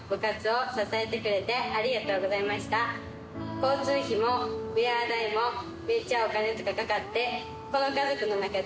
交通費もウェア代もめっちゃお金とかかかってこの家族の中で。